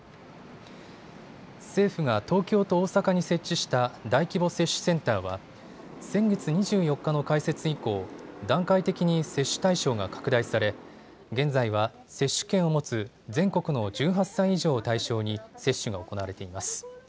政府が東京と大阪に設置した大規模接種センターは先月２４日の開設以降、段階的に接種対象が拡大され現在は接種券を持つ全国の１８歳以上を対象に接種が行われています。